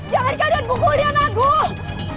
jangan kalian punggul dia naguh